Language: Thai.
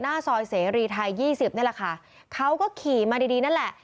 หน้าซอยเสรีไทยยี่สิบนี่แหละค่ะเขาก็ขี่มาดีดีนั่นแหละ